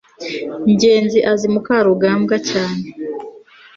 ngenzi azi mukarugambwa cyane